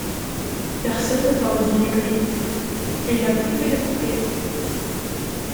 Personne ne parodioit mieux que lui, & n'a plus fait de Couplets.